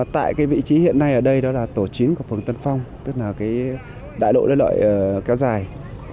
tại cái vị trí hiện nay ở đây đó là tổ chính của phường tân phong tức là cái đại độ đơn loại kéo dài